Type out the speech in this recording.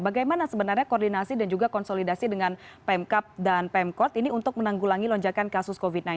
bagaimana sebenarnya koordinasi dan juga konsolidasi dengan pemkap dan pemkot ini untuk menanggulangi lonjakan kasus covid sembilan belas